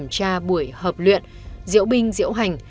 ra buổi hợp luyện diễu binh diễu hành